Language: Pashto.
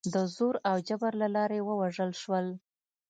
د زور او جبر له لارې ووژل شول.